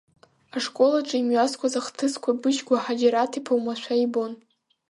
Ашкол аҿы имҩасқәоз ахҭысқәа Быџьгәа Ҳаџьараҭ-иԥа уамашәа ибон.